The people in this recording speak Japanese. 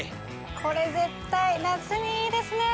これ絶対夏にいいですね！